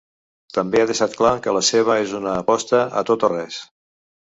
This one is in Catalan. També ha deixat clar que la seva és una aposta a tot o res.